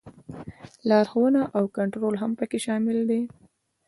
لارښوونه او کنټرول هم پکې شامل دي.